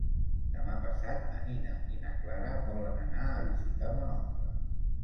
Demà passat na Nina i na Clara volen anar a visitar mon oncle.